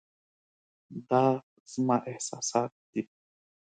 دا زما احساسات دي .